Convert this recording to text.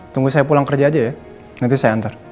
tunggu saya pulang kerja aja ya nanti saya antar